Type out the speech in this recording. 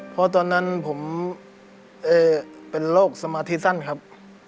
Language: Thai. เพราะตอนนั้นผมเป็นโรคสมาธิสั้นครับ